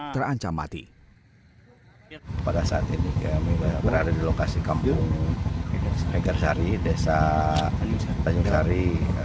terancam mati pada saat ini kami berada di lokasi kampung tegarsari desa tanjung sari